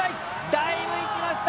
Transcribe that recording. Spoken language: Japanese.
だいぶいきました。